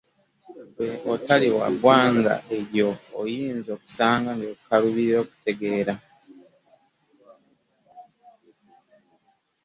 Ggwe atali wa ggwanga eryo oyinza okusanga ng’ekukaluubirira okutegeera.